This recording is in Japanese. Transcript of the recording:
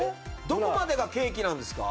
どこまでがケーキなんですか？